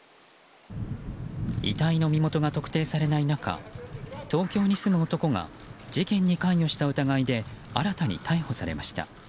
遺体の身元が特定されない中東京に住む男が事件に関与した疑いで新たに逮捕されました。